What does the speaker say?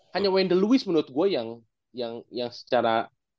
hanya wendell lewis menurut gue yang secara